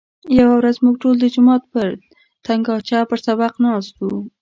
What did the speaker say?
یوه ورځ موږ ټول د جومات پر تنګاچه پر سبق ناست وو.